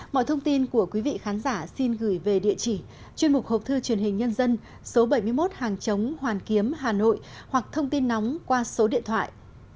mọi thông tin của quý vị khán giả xin gửi về địa chỉ chuyên mục học thư truyền hình nhân dân số bảy mươi một hàng chống hoàn kiếm hà nội hoặc thông tin nóng qua số điện thoại hai mươi bốn ba nghìn bảy trăm năm mươi sáu bảy nghìn